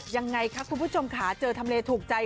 ยังไงคะคุณผู้ชมค่ะเจอทำเลถูกใจ